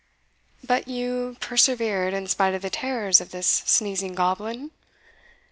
But you persevered, in spite of the terrors of this sneezing goblin?"